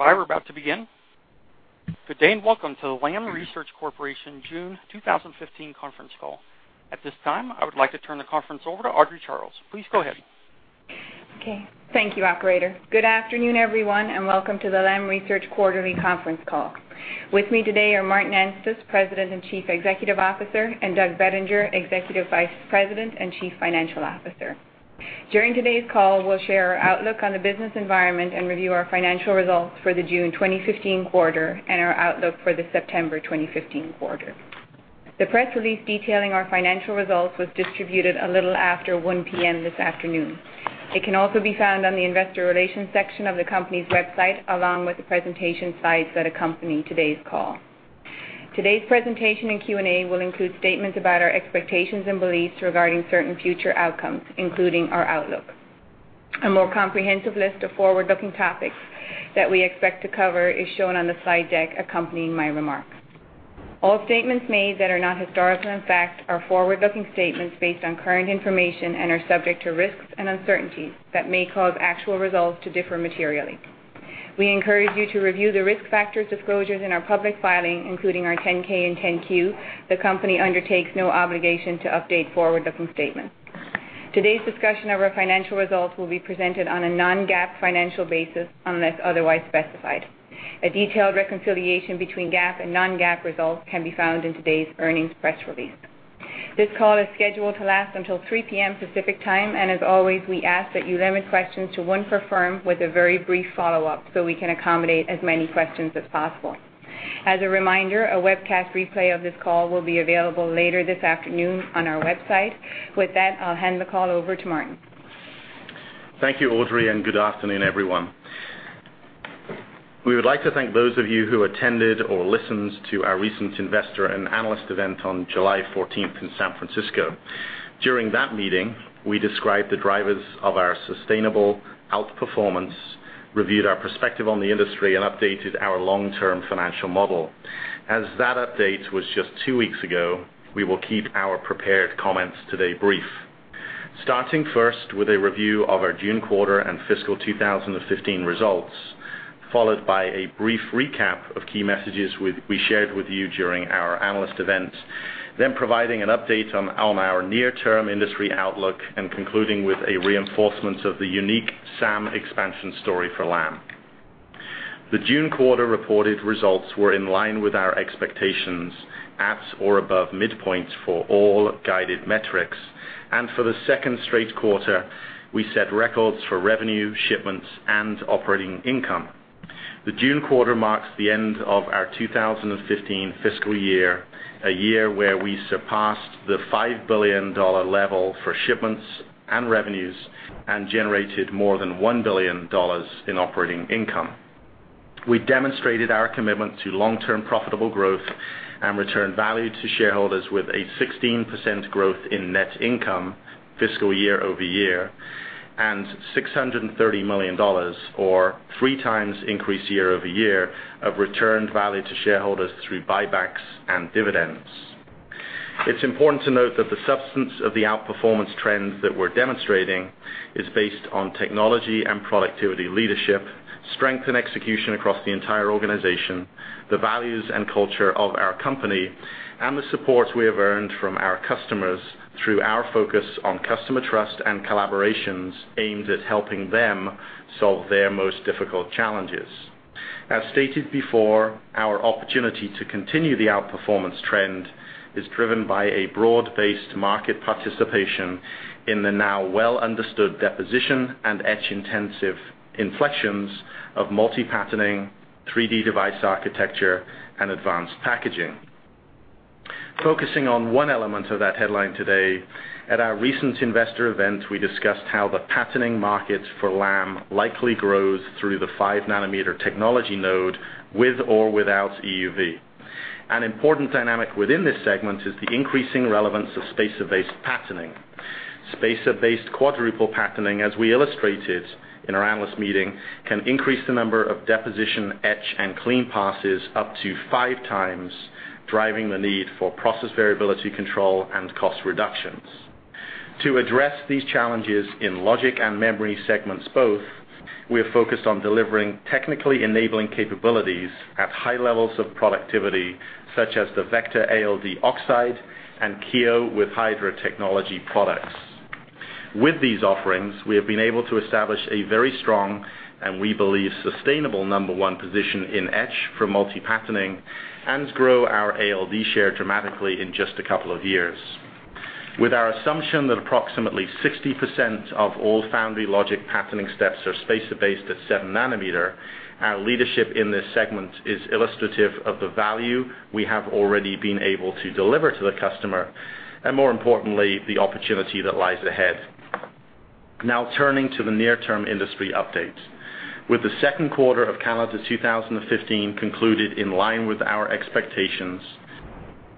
We're about to begin. Good day, welcome to the Lam Research Corporation June 2015 conference call. At this time, I would like to turn the conference over to Audrey Charles. Please go ahead. Okay. Thank you, operator. Good afternoon, everyone, welcome to the Lam Research quarterly conference call. With me today are Martin Anstice, President and Chief Executive Officer, and Doug Bettinger, Executive Vice President and Chief Financial Officer. During today's call, we'll share our outlook on the business environment and review our financial results for the June 2015 quarter and our outlook for the September 2015 quarter. The press release detailing our financial results was distributed a little after 1:00 P.M. this afternoon. It can also be found on the investor relations section of the company's website, along with the presentation slides that accompany today's call. Today's presentation and Q&A will include statements about our expectations and beliefs regarding certain future outcomes, including our outlook. A more comprehensive list of forward-looking topics that we expect to cover is shown on the slide deck accompanying my remarks. All statements made that are not historical and fact are forward-looking statements based on current information and are subject to risks and uncertainties that may cause actual results to differ materially. We encourage you to review the risk factors disclosures in our public filing, including our 10-K and 10-Q. The company undertakes no obligation to update forward-looking statements. Today's discussion of our financial results will be presented on a non-GAAP financial basis, unless otherwise specified. A detailed reconciliation between GAAP and non-GAAP results can be found in today's earnings press release. This call is scheduled to last until 3:00 P.M. Pacific Time, as always, we ask that you limit questions to one per firm with a very brief follow-up so we can accommodate as many questions as possible. As a reminder, a webcast replay of this call will be available later this afternoon on our website. With that, I'll hand the call over to Martin. Thank you, Audrey, good afternoon, everyone. We would like to thank those of you who attended or listened to our recent investor and analyst event on July 14th in San Francisco. During that meeting, we described the drivers of our sustainable outperformance, reviewed our perspective on the industry, updated our long-term financial model. As that update was just two weeks ago, we will keep our prepared comments today brief. Starting first with a review of our June quarter and fiscal 2015 results, followed by a brief recap of key messages we shared with you during our analyst event, then providing an update on our near-term industry outlook, concluding with a reinforcement of the unique SAM expansion story for Lam. The June quarter reported results were in line with our expectations, at or above midpoints for all guided metrics. For the second straight quarter, we set records for revenue, shipments, and operating income. The June quarter marks the end of our 2015 fiscal year, a year where we surpassed the $5 billion level for shipments and revenues and generated more than $1 billion in operating income. We demonstrated our commitment to long-term profitable growth and returned value to shareholders with a 16% growth in net income year-over-year, $630 million, or three times increase year-over-year of returned value to shareholders through buybacks and dividends. It's important to note that the substance of the outperformance trends that we're demonstrating is based on technology and productivity leadership, strength and execution across the entire organization, the values and culture of our company, the support we have earned from our customers through our focus on customer trust and collaborations aimed at helping them solve their most difficult challenges. As stated before, our opportunity to continue the outperformance trend is driven by a broad-based market participation in the now well-understood deposition and etch-intensive inflections of multi-patterning 3D device architecture and advanced packaging. Focusing on one element of that headline today, at our recent investor event, we discussed how the patterning market for Lam likely grows through the five nanometer technology node with or without EUV. An important dynamic within this segment is the increasing relevance of spacer-based patterning. Spacer-based quadruple patterning, as we illustrated in our analyst meeting, can increase the number of deposition, etch, and clean passes up to five times, driving the need for process variability control and cost reductions. To address these challenges in logic and memory segments both, we are focused on delivering technically enabling capabilities at high levels of productivity, such as the VECTOR ALD Oxide and Kiyo with Hydra technology products. With these offerings, we have been able to establish a very strong, and we believe, sustainable number one position in etch for multi-patterning and grow our ALD share dramatically in just a couple of years. With our assumption that approximately 60% of all foundry logic patterning steps are spacer-based at seven nanometer, our leadership in this segment is illustrative of the value we have already been able to deliver to the customer, and more importantly, the opportunity that lies ahead. Turning to the near-term industry update. With the second quarter of calendar 2015 concluded in line with our expectations,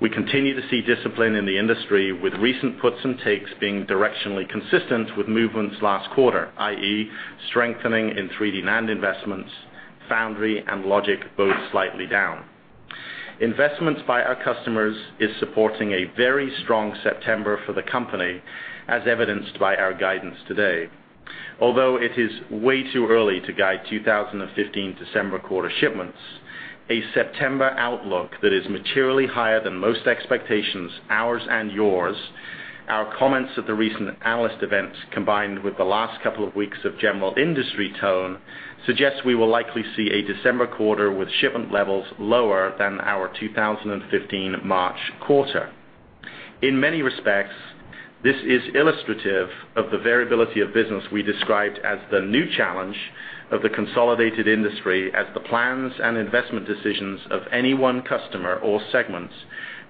we continue to see discipline in the industry with recent puts and takes being directionally consistent with movements last quarter, i.e., strengthening in 3D NAND investments, foundry, and logic both slightly down. Investments by our customers is supporting a very strong September for the company, as evidenced by our guidance today. Although it is way too early to guide 2015 December quarter shipments, a September outlook that is materially higher than most expectations, ours and yours, our comments at the recent analyst events, combined with the last couple of weeks of general industry tone, suggests we will likely see a December quarter with shipment levels lower than our 2015 March quarter. In many respects, this is illustrative of the variability of business we described as the new challenge of the consolidated industry, as the plans and investment decisions of any one customer or segments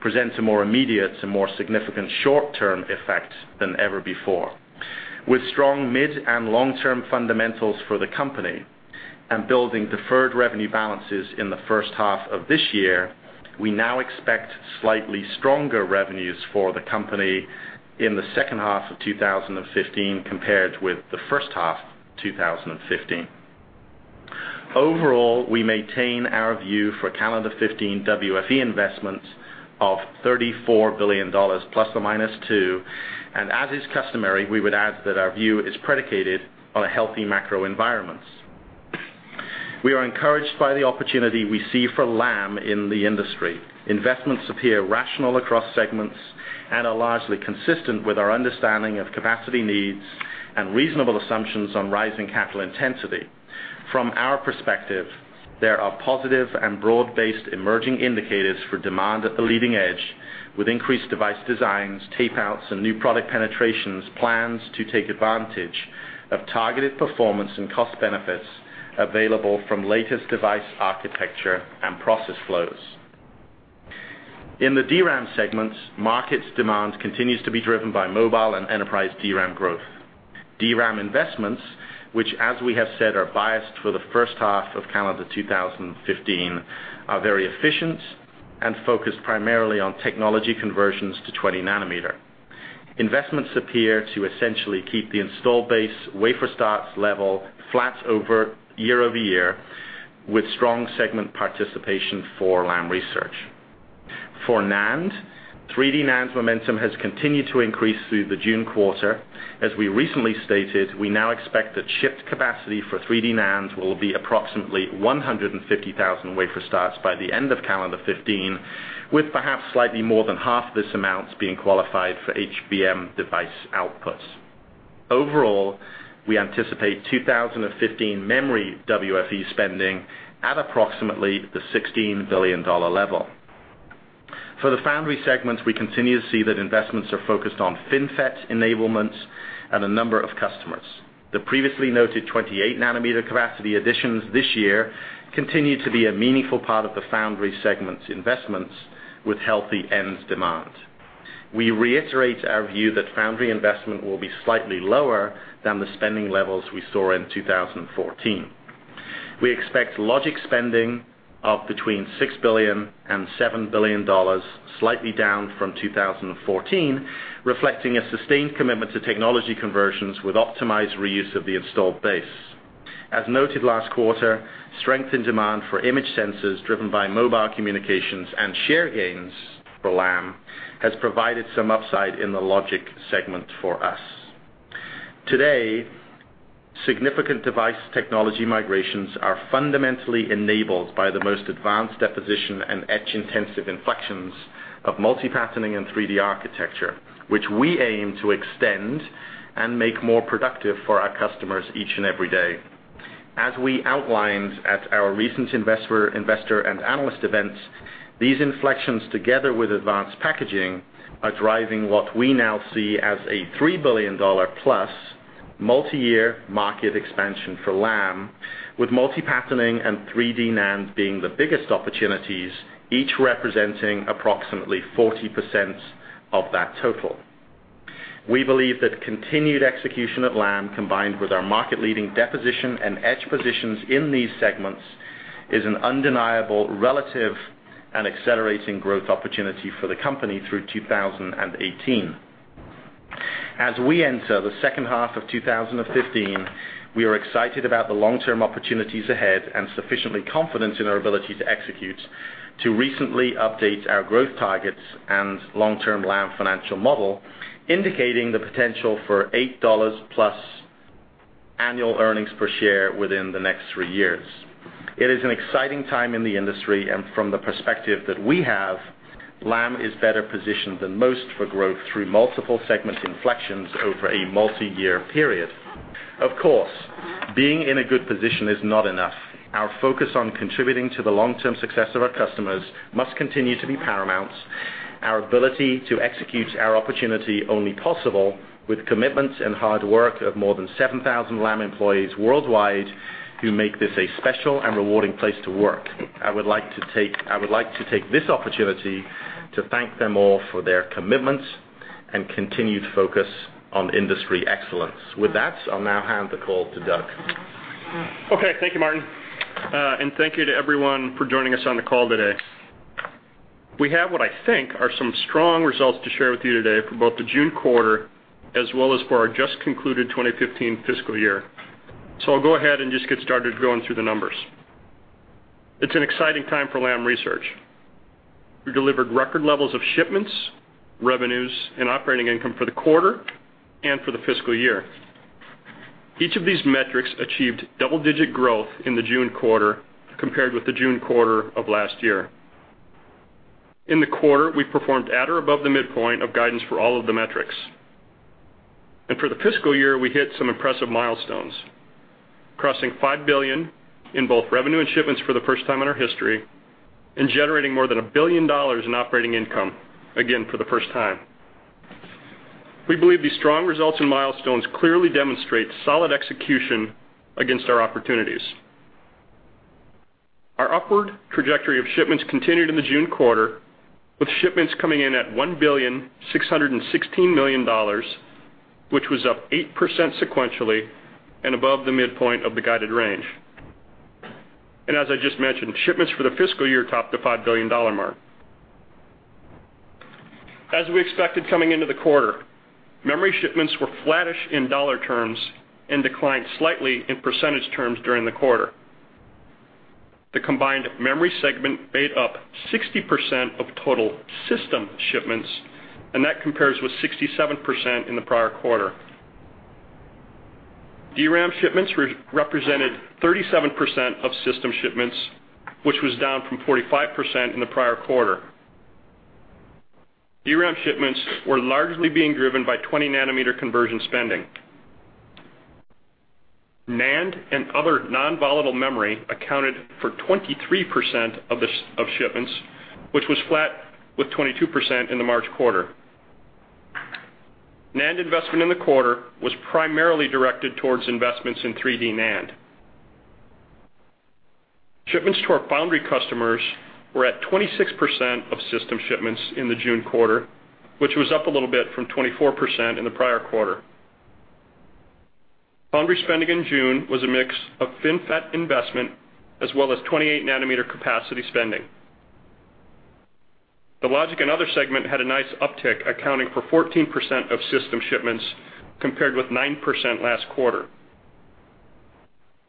presents a more immediate and more significant short-term effect than ever before. With strong mid- and long-term fundamentals for the company, and building deferred revenue balances in the first half of this year, we now expect slightly stronger revenues for the company in the second half of 2015 compared with the first half 2015. Overall, we maintain our view for calendar 2015 WFE investments of $34 billion ±2 billion, and as is customary, we would add that our view is predicated on a healthy macro environment. We are encouraged by the opportunity we see for Lam in the industry. Investments appear rational across segments and are largely consistent with our understanding of capacity needs and reasonable assumptions on rising capital intensity. From our perspective, there are positive and broad-based emerging indicators for demand at the leading edge, with increased device designs, tape-outs, and new product penetrations plans to take advantage of targeted performance and cost benefits available from latest device architecture and process flows. In the DRAM segment, market demand continues to be driven by mobile and enterprise DRAM growth. DRAM investments, which as we have said, are biased for the first half of calendar 2015, are very efficient and focused primarily on technology conversions to 20 nanometer. Investments appear to essentially keep the installed base wafer starts level flat year-over-year, with strong segment participation for Lam Research. For NAND, 3D NAND's momentum has continued to increase through the June quarter. As we recently stated, we now expect that shipped capacity for 3D NAND will be approximately 150,000 wafer starts by the end of calendar 2015, with perhaps slightly more than half this amount being qualified for HVM device outputs. Overall, we anticipate 2015 memory WFE spending at approximately the $16 billion level. For the foundry segment, we continue to see that investments are focused on FinFET enablements at a number of customers. The previously noted 28 nanometer capacity additions this year continue to be a meaningful part of the foundry segment investments with healthy end demand. We reiterate our view that foundry investment will be slightly lower than the spending levels we saw in 2014. We expect logic spending of between $6 billion and $7 billion, slightly down from 2014, reflecting a sustained commitment to technology conversions with optimized reuse of the installed base. As noted last quarter, strength in demand for image sensors driven by mobile communications and share gains for Lam, has provided some upside in the logic segment for us. Today, significant device technology migrations are fundamentally enabled by the most advanced deposition and etch-intensive inflections of multi-patterning and 3D architecture, which we aim to extend and make more productive for our customers each and every day. As we outlined at our recent investor and analyst events, these inflections, together with advanced packaging, are driving what we now see as a $3 billion+ multiyear market expansion for Lam, with multi-patterning and 3D NAND being the biggest opportunities, each representing approximately 40% of that total. We believe that continued execution at Lam, combined with our market-leading deposition and etch positions in these segments, is an undeniable relative and accelerating growth opportunity for the company through 2018. As we enter the second half of 2015, we are excited about the long-term opportunities ahead and sufficiently confident in our ability to execute to recently update our growth targets and long-term Lam financial model, indicating the potential for $8+ annual earnings per share within the next three years. It is an exciting time in the industry, from the perspective that we have, Lam is better positioned than most for growth through multiple segment inflections over a multiyear period. Of course, being in a good position is not enough. Our focus on contributing to the long-term success of our customers must continue to be paramount. Our ability to execute our opportunity only possible with commitment and hard work of more than 7,000 Lam employees worldwide who make this a special and rewarding place to work. I would like to take this opportunity to thank them all for their commitment and continued focus on industry excellence. With that, I will now hand the call to Doug. Okay. Thank you, Martin. Thank you to everyone for joining us on the call today. We have what I think are some strong results to share with you today for both the June quarter as well as for our just concluded 2015 fiscal year. I will go ahead and just get started going through the numbers. It is an exciting time for Lam Research. We delivered record levels of shipments, revenues, and operating income for the quarter and for the fiscal year. Each of these metrics achieved double-digit growth in the June quarter compared with the June quarter of last year. In the quarter, we performed at or above the midpoint of guidance for all of the metrics. For the fiscal year, we hit some impressive milestones, crossing $5 billion in both revenue and shipments for the first time in our history and generating more than $1 billion in operating income, again, for the first time. We believe these strong results and milestones clearly demonstrate solid execution against our opportunities. Our upward trajectory of shipments continued in the June quarter, with shipments coming in at $1.616 billion, which was up 8% sequentially and above the midpoint of the guided range. As I just mentioned, shipments for the fiscal year topped the $5 billion mark. As we expected coming into the quarter, memory shipments were flattish in dollar terms and declined slightly in percentage terms during the quarter. The combined memory segment made up 60% of total system shipments, and that compares with 67% in the prior quarter. DRAM shipments represented 37% of system shipments, which was down from 45% in the prior quarter. DRAM shipments were largely being driven by 20-nanometer conversion spending. NAND and other non-volatile memory accounted for 23% of shipments, which was flat with 22% in the March quarter. NAND investment in the quarter was primarily directed towards investments in 3D NAND. Shipments to our foundry customers were at 26% of system shipments in the June quarter, which was up a little bit from 24% in the prior quarter. Foundry spending in June was a mix of FinFET investment as well as 28-nanometer capacity spending. The logic and other segment had a nice uptick, accounting for 14% of system shipments compared with 9% last quarter.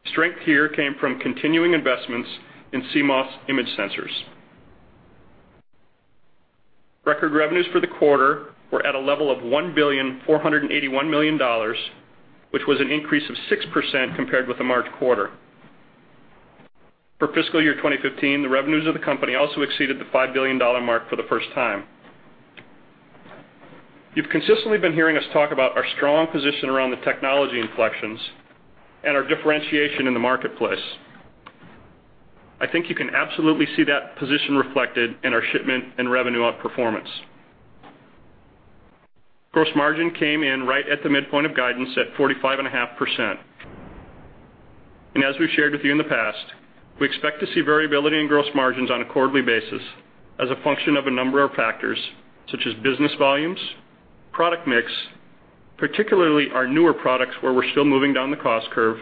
Strength here came from continuing investments in CMOS image sensors. Record revenues for the quarter were at a level of $1.481 billion, which was an increase of 6% compared with the March quarter. For fiscal year 2015, the revenues of the company also exceeded the $5 billion mark for the first time. You've consistently been hearing us talk about our strong position around the technology inflections and our differentiation in the marketplace. I think you can absolutely see that position reflected in our shipment and revenue outperformance. Gross margin came in right at the midpoint of guidance at 45.5%. As we've shared with you in the past, we expect to see variability in gross margins on a quarterly basis as a function of a number of factors, such as business volumes, product mix, particularly our newer products where we're still moving down the cost curve,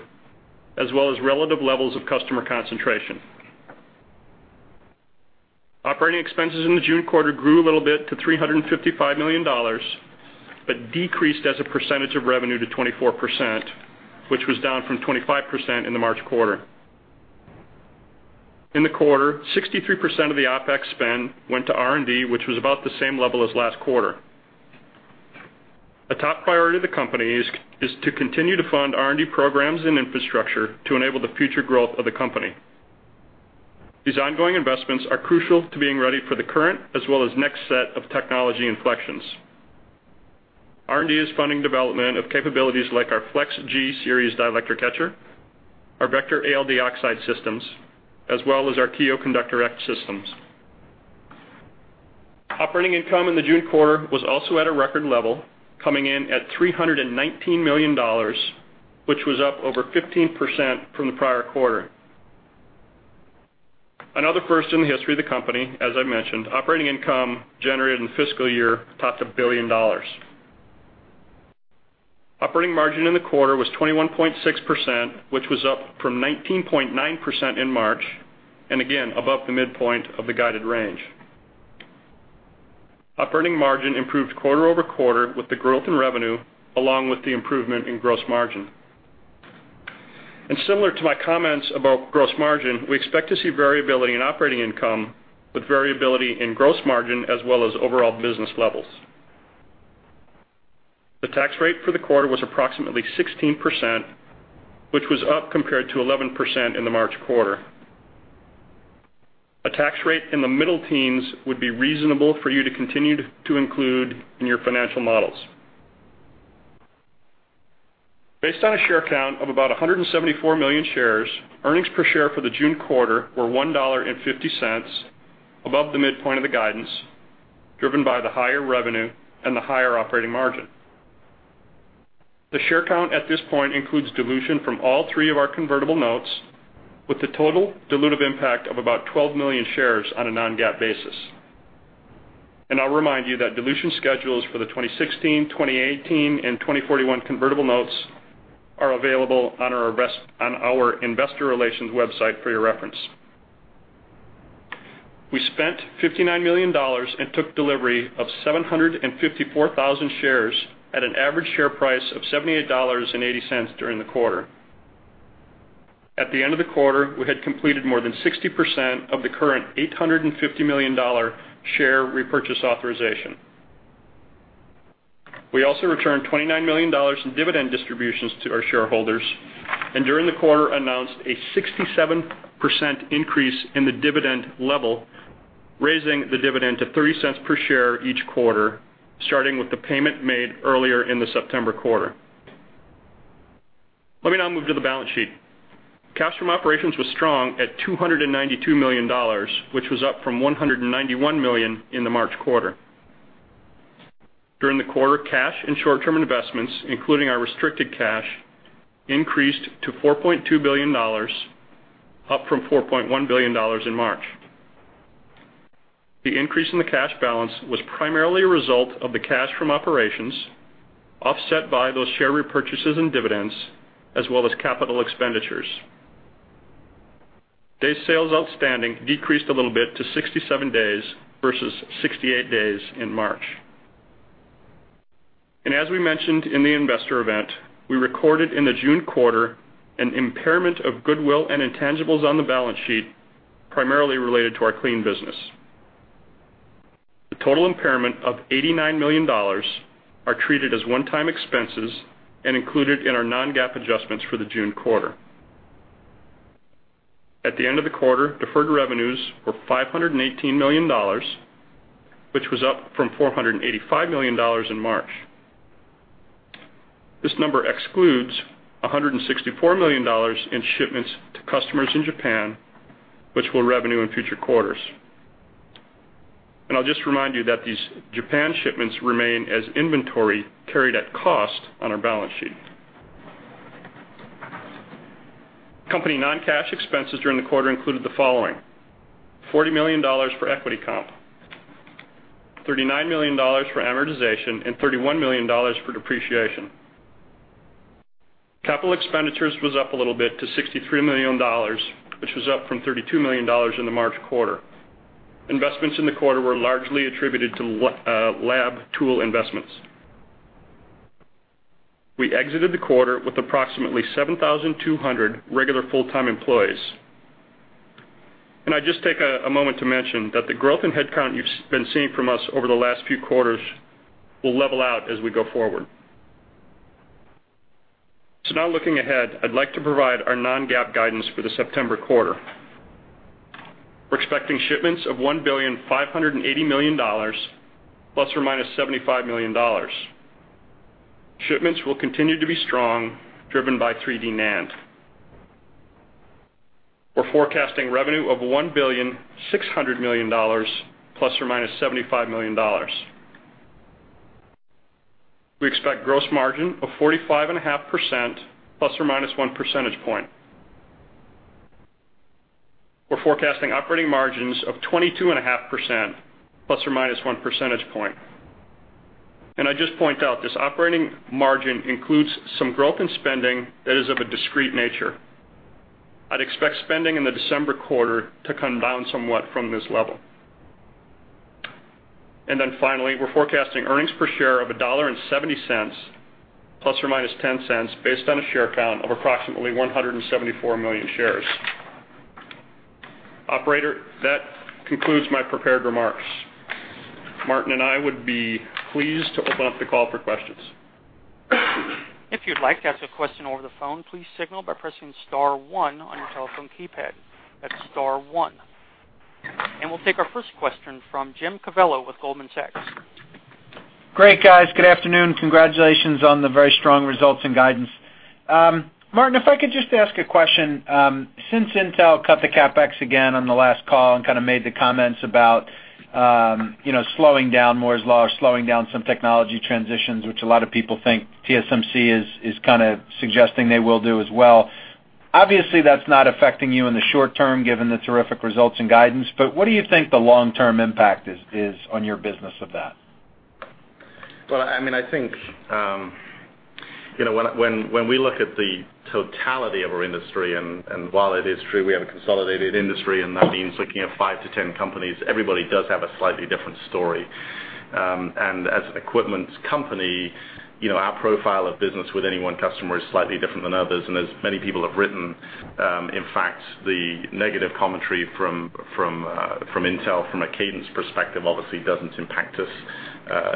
as well as relative levels of customer concentration. Operating expenses in the June quarter grew a little bit to $355 million, decreased as a percentage of revenue to 24%, which was down from 25% in the March quarter. In the quarter, 63% of the OpEx spend went to R&D, which was about the same level as last quarter. A top priority of the company is to continue to fund R&D programs and infrastructure to enable the future growth of the company. These ongoing investments are crucial to being ready for the current as well as next set of technology inflections. R&D is funding development of capabilities like our Flex G Series dielectric etcher, our VECTOR ALD Oxide systems, as well as our Kiyo conductor etch systems. Operating income in the June quarter was also at a record level, coming in at $319 million, which was up over 15% from the prior quarter. Another first in the history of the company, as I mentioned, operating income generated in fiscal year topped $1 billion. Operating margin in the quarter was 21.6%, which was up from 19.9% in March, and again, above the midpoint of the guided range. Operating margin improved quarter-over-quarter with the growth in revenue along with the improvement in gross margin. Similar to my comments about gross margin, we expect to see variability in operating income with variability in gross margin as well as overall business levels. The tax rate for the quarter was approximately 16%, which was up compared to 11% in the March quarter. A tax rate in the middle teens would be reasonable for you to continue to include in your financial models. Based on a share count of about 174 million shares, earnings per share for the June quarter were $1.50, above the midpoint of the guidance, driven by the higher revenue and the higher operating margin. The share count at this point includes dilution from all three of our convertible notes, with the total dilutive impact of about 12 million shares on a non-GAAP basis. I'll remind you that dilution schedules for the 2016, 2018, and 2041 convertible notes are available on our investor relations website for your reference. We spent $59 million and took delivery of 754,000 shares at an average share price of $78.80 during the quarter. At the end of the quarter, we had completed more than 60% of the current $850 million share repurchase authorization. We also returned $29 million in dividend distributions to our shareholders, and during the quarter announced a 67% increase in the dividend level, raising the dividend to $0.03 per share each quarter, starting with the payment made earlier in the September quarter. Let me now move to the balance sheet. Cash from operations was strong at $292 million, which was up from $191 million in the March quarter. During the quarter, cash and short-term investments, including our restricted cash, increased to $4.2 billion, up from $4.1 billion in March. The increase in the cash balance was primarily a result of the cash from operations offset by those share repurchases and dividends, as well as capital expenditures. Days sales outstanding decreased a little bit to 67 days versus 68 days in March. As we mentioned in the investor event, we recorded in the June quarter an impairment of goodwill and intangibles on the balance sheet primarily related to our clean business. The total impairment of $89 million are treated as one-time expenses and included in our non-GAAP adjustments for the June quarter. At the end of the quarter, deferred revenues were $518 million, which was up from $485 million in March. This number excludes $164 million in shipments to customers in Japan, which we'll revenue in future quarters. I'll just remind you that these Japan shipments remain as inventory carried at cost on our balance sheet. Company non-cash expenses during the quarter included the following: $40 million for equity comp, $39 million for amortization, and $31 million for depreciation. Capital expenditures was up a little bit to $63 million, which was up from $32 million in the March quarter. Investments in the quarter were largely attributed to lab tool investments. We exited the quarter with approximately 7,200 regular full-time employees. I'd just take a moment to mention that the growth in headcount you've been seeing from us over the last few quarters will level out as we go forward. Now looking ahead, I'd like to provide our non-GAAP guidance for the September quarter. We're expecting shipments of $1.58 billion, ±$75 million. Shipments will continue to be strong, driven by 3D NAND. We're forecasting revenue of $1.6 billion, ±$75 million. We expect gross margin of 45.5%, ±one percentage point. We're forecasting operating margins of 22.5%, ±one percentage point. I'd just point out this operating margin includes some growth in spending that is of a discrete nature. I'd expect spending in the December quarter to come down somewhat from this level. Finally, we're forecasting earnings per share of $1.70, ±$0.10, based on a share count of approximately 174 million shares. Operator, that concludes my prepared remarks. Martin and I would be pleased to open up the call for questions. If you'd like to ask a question over the phone, please signal by pressing star one on your telephone keypad. That's star one. We'll take our first question from Jim Covello with Goldman Sachs. Great, guys. Good afternoon. Congratulations on the very strong results and guidance. Martin, if I could just ask a question. Since Intel cut the CapEx again on the last call and kind of made the comments about slowing down Moore's Law or slowing down some technology transitions, which a lot of people think TSMC is kind of suggesting they will do as well. Obviously, that's not affecting you in the short term, given the terrific results and guidance, but what do you think the long-term impact is on your business of that? Well, I think when we look at the totality of our industry, while it is true we have a consolidated industry, that means looking at 5-10 companies, everybody does have a slightly different story. As an equipment company, our profile of business with any one customer is slightly different than others. As many people have written, in fact, the negative commentary from Intel from a cadence perspective obviously doesn't impact us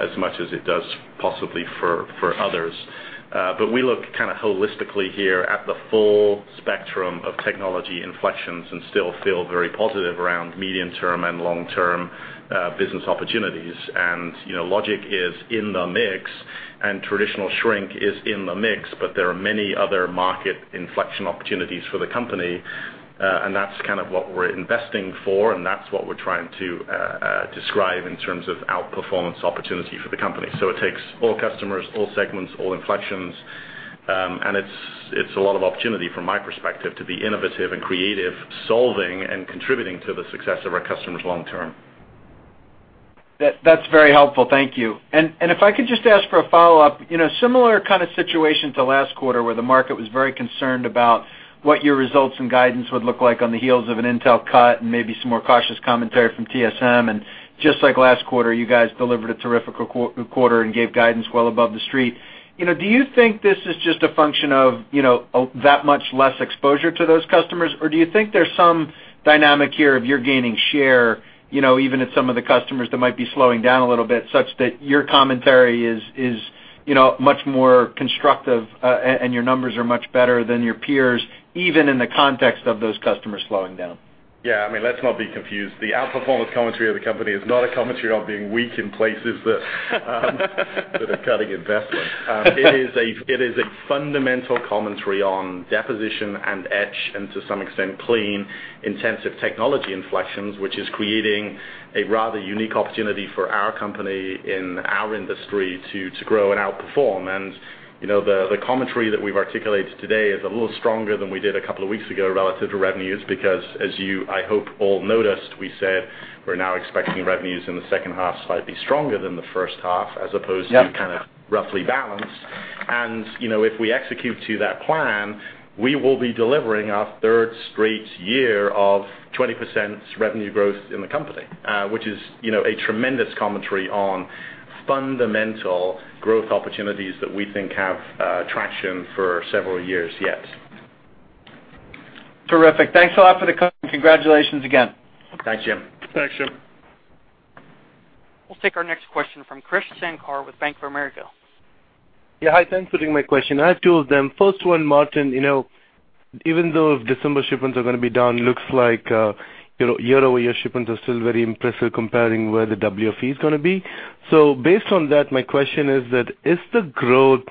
as much as it does possibly for others. We look kind of holistically here at the full spectrum of technology inflections and still feel very positive around medium-term and long-term business opportunities. Logic is in the mix, traditional shrink is in the mix, there are many other market inflection opportunities for the company, that's kind of what we're investing for, that's what we're trying to describe in terms of outperformance opportunity for the company. It takes all customers, all segments, all inflections, it's a lot of opportunity from my perspective to be innovative and creative, solving and contributing to the success of our customers long term. That's very helpful. Thank you. If I could just ask for a follow-up, similar kind of situation to last quarter where the market was very concerned about what your results and guidance would look like on the heels of an Intel cut and maybe some more cautious commentary from TSMC. Just like last quarter, you guys delivered a terrific quarter and gave guidance well above the street. Do you think this is just a function of that much less exposure to those customers, or do you think there's some dynamic here of you're gaining share, even at some of the customers that might be slowing down a little bit, such that your commentary is much more constructive, and your numbers are much better than your peers, even in the context of those customers slowing down? Yeah, let's not be confused. The outperformance commentary of the company is not a commentary on being weak in places that are cutting investment. It is a fundamental commentary on deposition and etch and to some extent clean, intensive technology inflections, which is creating a rather unique opportunity for our company in our industry to grow and outperform. The commentary that we've articulated today is a little stronger than we did a couple of weeks ago relative to revenues because as you, I hope, all noticed, we said we're now expecting revenues in the second half slightly stronger than the first half. Yeah kind of roughly balanced. If we execute to that plan, we will be delivering our third straight year of 20% revenue growth in the company, which is a tremendous commentary on fundamental growth opportunities that we think have traction for several years yet. Terrific. Thanks a lot for the call, and congratulations again. Thanks, Jim. Thanks, Jim. We'll take our next question from Krish Sankar with Bank of America. Yeah. Hi. Thanks for taking my question. I have two of them. First one, Martin. Even though December shipments are going to be down, looks like year-over-year shipments are still very impressive comparing where the WFE is going to be. Based on that, my question is the growth,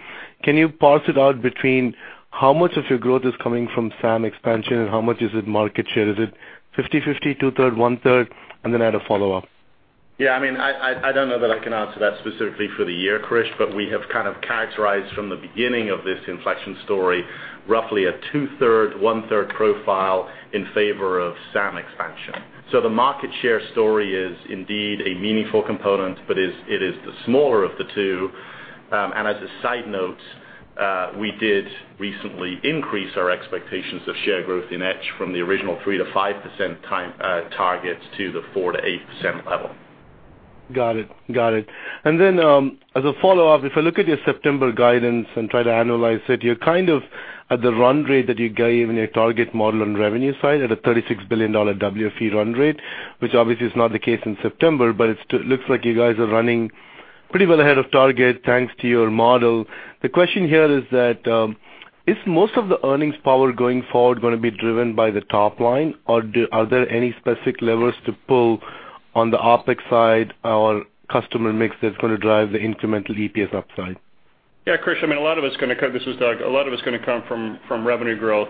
can you parse it out between how much of your growth is coming from SAM expansion and how much is it market share? Is it 50/50, two-thirds, one-third? I had a follow-up. Yeah, I don't know that I can answer that specifically for the year, Krish. We have kind of characterized from the beginning of this inflection story, roughly a two-thirds, one-third profile in favor of SAM expansion. The market share story is indeed a meaningful component, but it is the smaller of the two. As a side note, we did recently increase our expectations of share growth in etch from the original 3%-5% targets to the 4%-8% level. Got it. As a follow-up, if I look at your September guidance and try to analyze it, you're kind of at the run rate that you gave in your target model on revenue side at a $36 billion WFE run rate, which obviously is not the case in September, but it looks like you guys are running pretty well ahead of target, thanks to your model. The question here is most of the earnings power going forward going to be driven by the top line, or are there any specific levers to pull on the OpEx side or customer mix that's going to drive the incremental EPS upside? Yeah, Krish, this is Doug. A lot of it's going to come from revenue growth.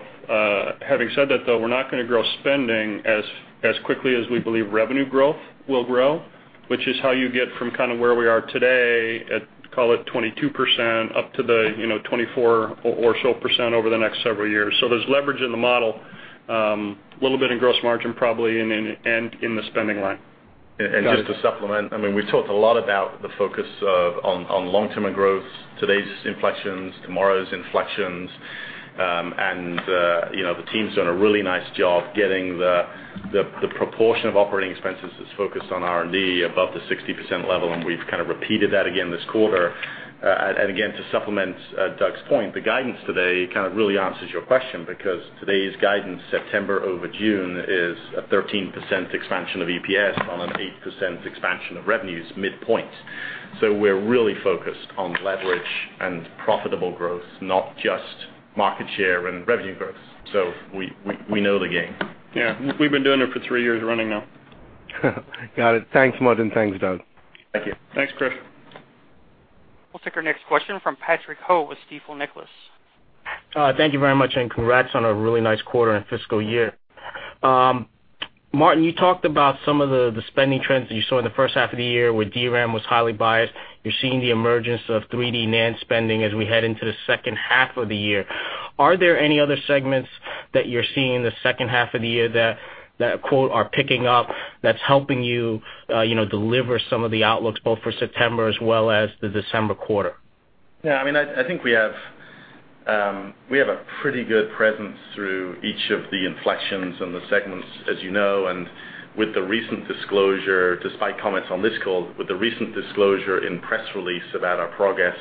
Having said that, though, we're not going to grow spending as quickly as we believe revenue growth will grow, which is how you get from kind of where we are today at, call it 22% up to the 24% or so over the next several years. There's leverage in the model, a little bit in gross margin, probably, and in the spending line. Just to supplement, we've talked a lot about the focus on long-term growth, today's inflections, tomorrow's inflections. The team's done a really nice job getting the proportion of operating expenses that's focused on R&D above the 60% level, and we've kind of repeated that again this quarter. Again, to supplement Doug's point, the guidance today kind of really answers your question because today's guidance, September over June, is a 13% expansion of EPS on an 8% expansion of revenues midpoint. We're really focused on leverage and profitable growth, not just market share and revenue growth. We know the game. Yeah. We've been doing it for three years running now. Got it. Thanks, Martin. Thanks, Doug. Thank you. Thanks, Krish. We'll take our next question from Patrick Ho with Stifel Nicolaus. Thank you very much, and congrats on a really nice quarter and fiscal year. Martin, you talked about some of the spending trends that you saw in the first half of the year where DRAM was highly biased. You're seeing the emergence of 3D NAND spending as we head into the second half of the year. Are there any other segments that you're seeing in the second half of the year that, quote, "Are picking up," that's helping you deliver some of the outlooks, both for September as well as the December quarter? Yeah, I think we have a pretty good presence through each of the inflections and the segments, as you know. Despite comments on this call, with the recent disclosure in press release about our progress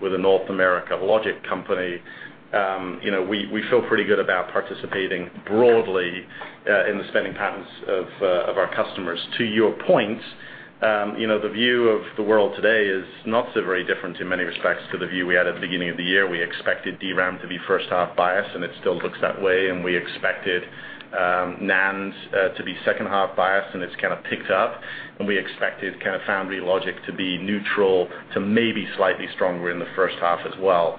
with a North America logic company, we feel pretty good about participating broadly in the spending patterns of our customers. To your point, the view of the world today is not so very different in many respects to the view we had at the beginning of the year. We expected DRAM to be first half biased, and it still looks that way, and we expected NAND to be second half biased, and it's kind of picked up, and we expected kind of foundry logic to be neutral to maybe slightly stronger in the first half as well.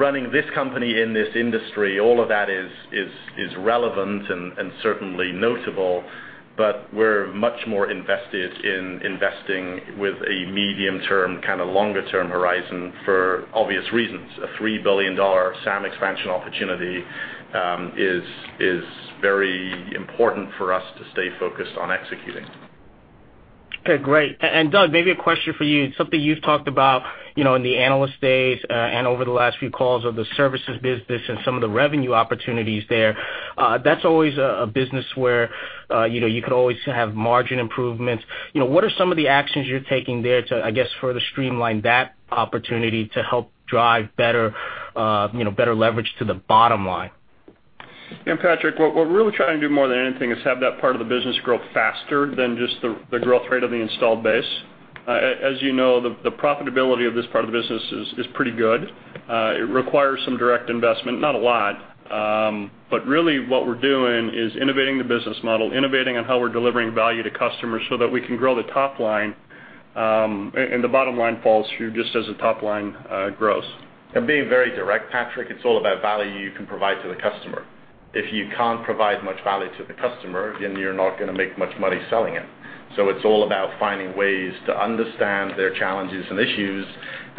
Running this company in this industry, all of that is relevant and certainly notable, but we're much more invested in investing with a medium term, kind of longer term horizon for obvious reasons. A $3 billion SAM expansion opportunity is very important for us to stay focused on executing. Okay, great. Doug, maybe a question for you. Something you've talked about in the Analyst Days, and over the last few calls, are the services business and some of the revenue opportunities there. That's always a business where you could always have margin improvements. What are some of the actions you're taking there to, I guess, further streamline that opportunity to help drive better leverage to the bottom line? Yeah, Patrick, what we're really trying to do more than anything is have that part of the business grow faster than just the growth rate of the installed base. As you know, the profitability of this part of the business is pretty good. It requires some direct investment. Not a lot. But really what we're doing is innovating the business model, innovating on how we're delivering value to customers so that we can grow the top line, and the bottom line falls through just as the top line grows. Being very direct, Patrick, it's all about value you can provide to the customer. If you can't provide much value to the customer, then you're not going to make much money selling it. It's all about finding ways to understand their challenges and issues,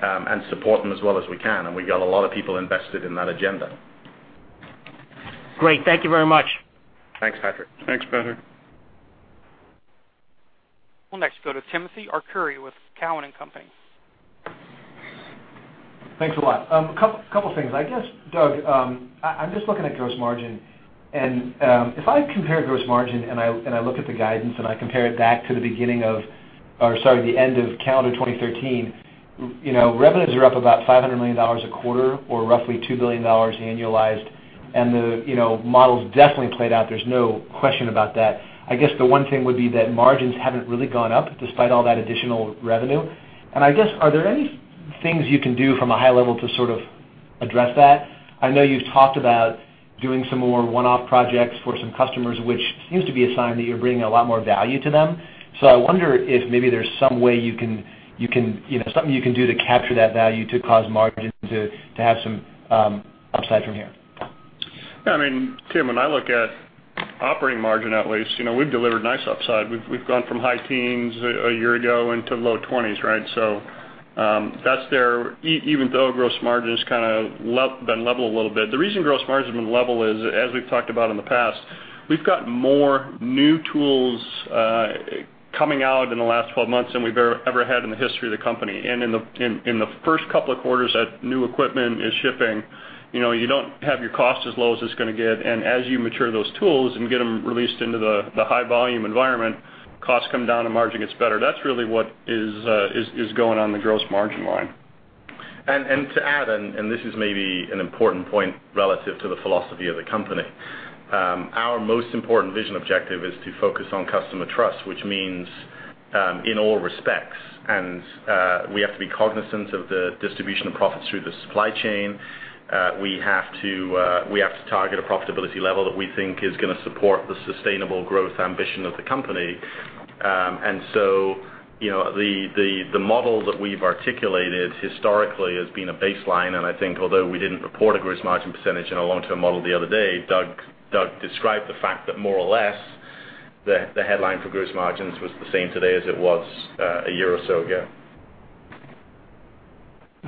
and support them as well as we can. We got a lot of people invested in that agenda. Great. Thank you very much. Thanks, Patrick. Thanks, Patrick. We'll next go to Timothy Arcuri with Cowen and Company. Thanks a lot. Couple things. I guess, Doug, I'm just looking at gross margin, and if I compare gross margin and I look at the guidance and I compare it back to the end of calendar 2013, revenues are up about $500 million a quarter or roughly $2 billion annualized. The model's definitely played out. There's no question about that. I guess the one thing would be that margins haven't really gone up despite all that additional revenue. I guess, are there any things you can do from a high level to sort of address that? I know you've talked about doing some more one-off projects for some customers, which seems to be a sign that you're bringing a lot more value to them. I wonder if maybe there's something you can do to capture that value to cause margin to have some upside from here. Yeah, Tim, when I look at operating margin, at least, we've delivered nice upside. We've gone from high teens a year ago into low twenties, right? That's there, even though gross margin has kind of been level a little bit. The reason gross margin's been level is, as we've talked about in the past, we've got more new tools coming out in the last 12 months than we've ever had in the history of the company. In the first couple of quarters, that new equipment is shipping. You don't have your cost as low as it's going to get. As you mature those tools and get them released into the high volume environment, costs come down and margin gets better. That's really what is going on the gross margin line. To add, this is maybe an important point relative to the philosophy of the company. Our most important vision objective is to focus on customer trust, which means, in all respects, we have to be cognizant of the distribution of profits through the supply chain. We have to target a profitability level that we think is going to support the sustainable growth ambition of the company. The model that we've articulated historically has been a baseline, I think although we didn't report a gross margin percentage in our long-term model the other day, Doug described the fact that more or less the headline for gross margins was the same today as it was a year or so ago.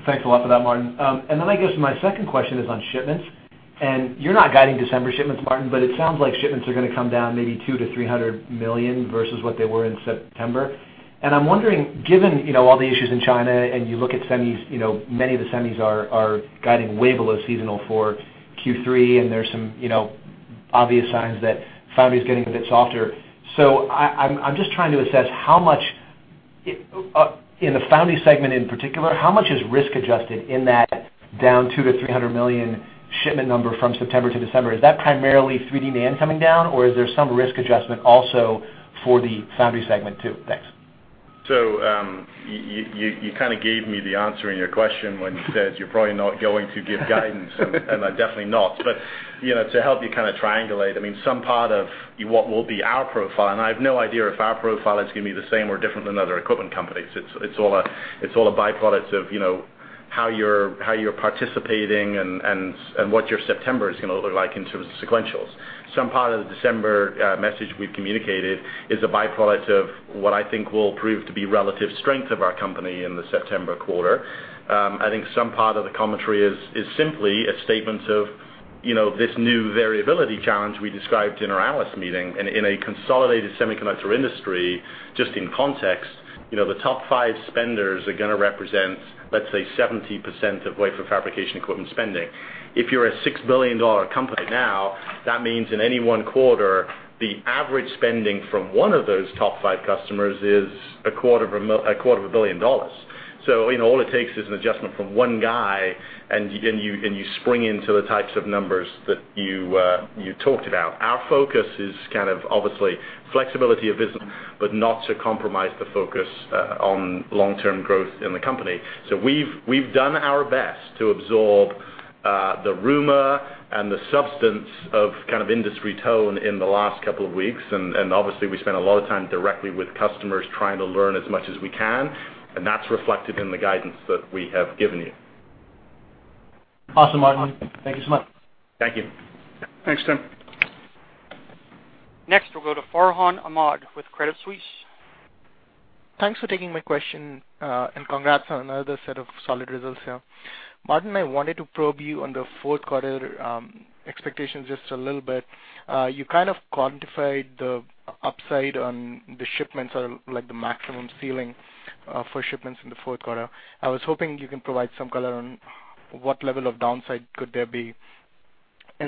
Thanks a lot for that, Martin. I guess my second question is on shipments. You're not guiding December shipments, Martin, but it sounds like shipments are going to come down maybe $200 million-$300 million versus what they were in September. I'm wondering, given all the issues in China, you look at semis, many of the semis are guiding way below seasonal for Q3, there's some obvious signs that Foundry's getting a bit softer. I'm just trying to assess how much, in the Foundry segment in particular, how much is risk-adjusted in that down $200 million-$300 million shipment number from September to December? Is that primarily 3D NAND coming down, or is there some risk adjustment also for the Foundry segment, too? Thanks. You kind of gave me the answer in your question when you said, "You're probably not going to give guidance." I'm definitely not. To help you kind of triangulate, some part of what will be our profile, I have no idea if our profile is going to be the same or different than other equipment companies. It's all a by-product of how you're participating and what your September is going to look like in terms of sequentials. Some part of the December message we've communicated is a by-product of what I think will prove to be relative strength of our company in the September quarter. I think some part of the commentary is simply a statement of this new variability challenge we described in our analyst meeting in a consolidated semiconductor industry, just in context. The top five spenders are going to represent, let's say, 70% of wafer fabrication equipment spending. If you're a $6 billion company now, that means in any one quarter, the average spending from one of those top five customers is a quarter of a billion dollars. All it takes is an adjustment from one guy, you spring into the types of numbers that you talked about. Our focus is kind of obviously flexibility of business, not to compromise the focus on long-term growth in the company. We've done our best to absorb the rumor and the substance of kind of industry tone in the last couple of weeks, obviously, we spent a lot of time directly with customers trying to learn as much as we can, that's reflected in the guidance that we have given you. Awesome, Martin. Thank you so much. Thank you. Thanks, Tim. Next, we'll go to Farhan Ahmad with Credit Suisse. Thanks for taking my question, and congrats on another set of solid results here. Martin, I wanted to probe you on the fourth quarter expectations just a little bit. You kind of quantified the upside on the shipments, or the maximum ceiling for shipments in the fourth quarter. I was hoping you can provide some color on what level of downside could there be.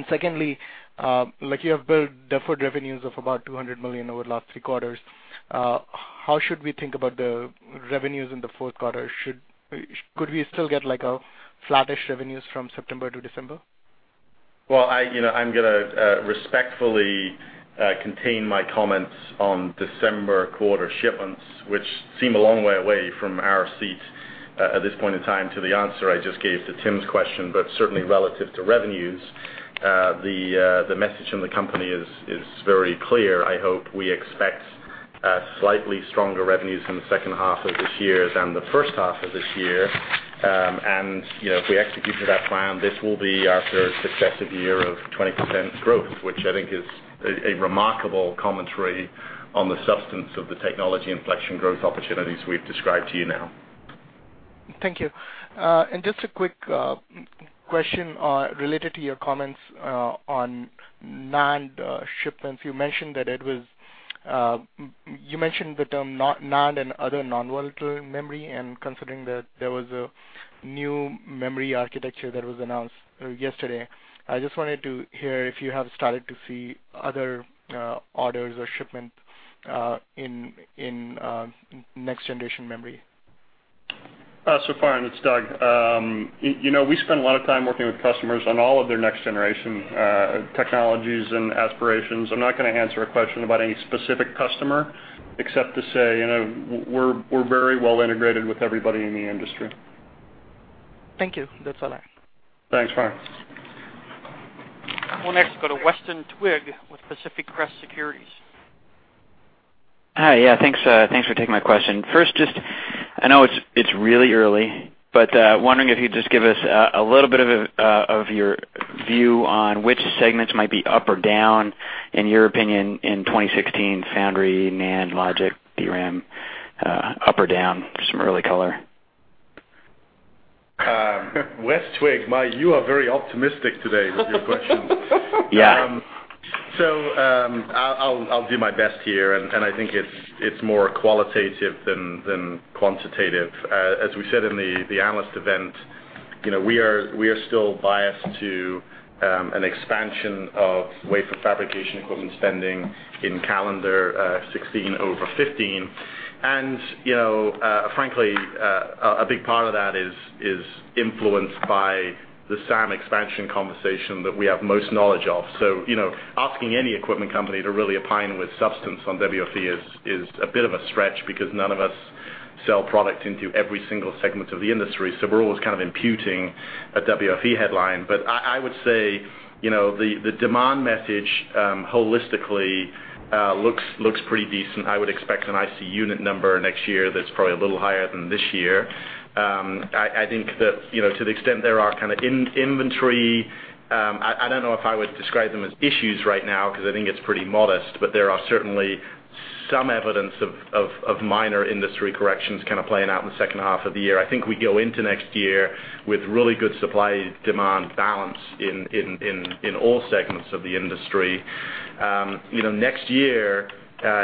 Secondly, you have built deferred revenues of about $200 million over the last three quarters. How should we think about the revenues in the fourth quarter? Could we still get flattish revenues from September to December? Well, I'm going to respectfully contain my comments on December quarter shipments, which seem a long way away from our seat at this point in time to the answer I just gave to Tim's question. Certainly relative to revenues, the message from the company is very clear. I hope we expect slightly stronger revenues from the second half of this year than the first half of this year. If we execute to that plan, this will be our third successive year of 20% growth, which I think is a remarkable commentary on the substance of the technology inflection growth opportunities we've described to you now. Thank you. Just a quick question related to your comments on NAND shipments. You mentioned the term NAND and other non-volatile memory, and considering that there was a new memory architecture that was announced yesterday, I just wanted to hear if you have started to see other orders or shipment in next-generation memory. Farhan, it's Doug. We spend a lot of time working with customers on all of their next-generation technologies and aspirations. I'm not going to answer a question about any specific customer except to say, we're very well integrated with everybody in the industry. Thank you. That's all. Thanks Farhan. We'll next go to Weston Twigg with Pacific Crest Securities. Hi. Yeah, thanks for taking my question. First, I know it's really early, but wondering if you'd just give us a little bit of your view on which segments might be up or down, in your opinion, in 2016, foundry, NAND, logic, DRAM, up or down? Just some early color. Weston Twigg, you are very optimistic today with your question. Yeah. I'll do my best here, I think it's more qualitative than quantitative. As we said in the analyst event, we are still biased to an expansion of wafer fabrication equipment spending in calendar 2016 over 2015. Frankly, a big part of that is influenced by the SAM expansion conversation that we have most knowledge of. Asking any equipment company to really opine with substance on WFE is a bit of a stretch because none of us sell product into every single segment of the industry. We're always kind of imputing a WFE headline, but I would say, the demand message holistically looks pretty decent. I would expect an IC unit number next year that's probably a little higher than this year. I think that, to the extent there are kind of inventory, I don't know if I would describe them as issues right now because I think it's pretty modest, but there are certainly some evidence of minor industry corrections kind of playing out in the second half of the year. I think we go into next year with really good supply-demand balance in all segments of the industry. Next year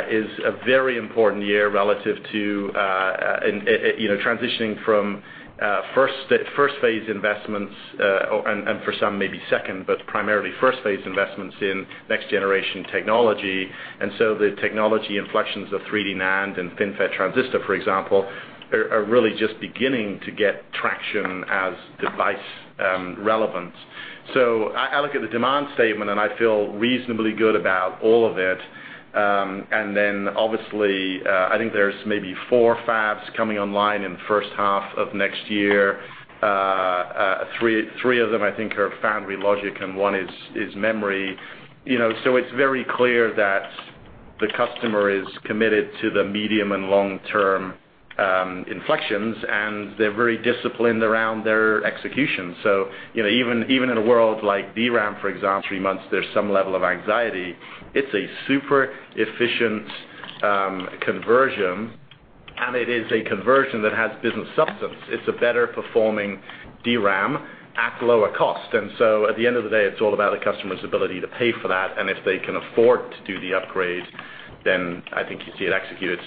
is a very important year relative to transitioning from first phase investments, and for some maybe second, but primarily first phase investments in next-generation technology. The technology inflections of 3D NAND and FinFET transistor, for example, are really just beginning to get traction as device relevance. I look at the demand statement, and I feel reasonably good about all of it. Obviously, I think there's maybe 4 fabs coming online in the first half of next year. 3 of them, I think, are foundry logic, and one is memory. It's very clear that the customer is committed to the medium and long-term inflections, and they're very disciplined around their execution. Even in a world like DRAM, for example, 3 months, there's some level of anxiety. It's a super efficient conversion, and it is a conversion that has business substance. It's a better-performing DRAM at lower cost. At the end of the day, it's all about a customer's ability to pay for that, and if they can afford to do the upgrade, then I think you see it executed.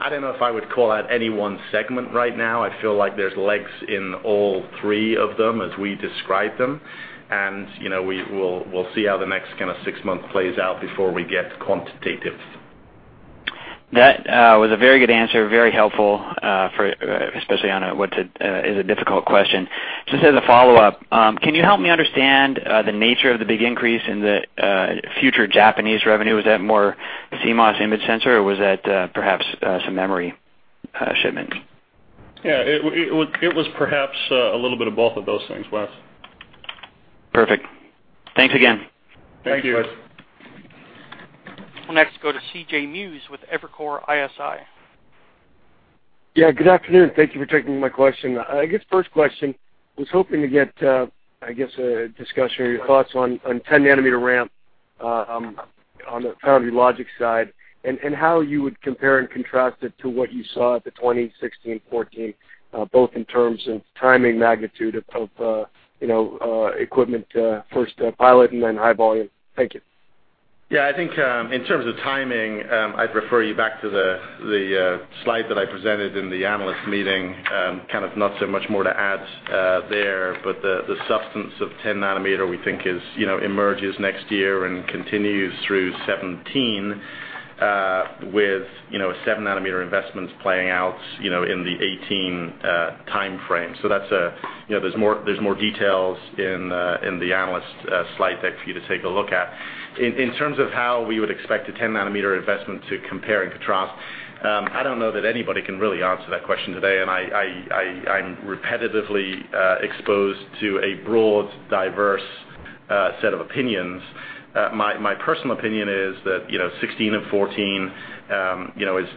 I don't know if I would call out any one segment right now. I feel like there's legs in all 3 of them as we describe them, and we'll see how the next kind of 6 months plays out before we get quantitative. That was a very good answer, very helpful, especially on what is a difficult question. Just as a follow-up, can you help me understand the nature of the big increase in the future Japanese revenue? Was that more CMOS image sensor, or was that perhaps some memory shipments? Yeah. It was perhaps a little bit of both of those things, Wes. Perfect. Thanks again. Thank you. Thanks, Wes. We'll next go to C.J. Muse with Evercore ISI. Yeah, good afternoon. Thank you for taking my question. I guess first question, was hoping to get, I guess a discussion or your thoughts on 10-nanometer ramp on the foundry logic side, and how you would compare and contrast it to what you saw at the 20, 16, and 14, both in terms of timing magnitude of equipment, first pilot and then high volume. Thank you. Yeah, I think in terms of timing, I'd refer you back to the slide that I presented in the analyst meeting, kind of not so much more to add there, but the substance of 10-nanometer we think emerges next year and continues through 2017, with 7-nanometer investments playing out in the 2018 timeframe. There's more details in the analyst slide deck for you to take a look at. In terms of how we would expect a 10-nanometer investment to compare and contrast, I don't know that anybody can really answer that question today, and I'm repetitively exposed to a broad, diverse set of opinions. My personal opinion is that 16 and 14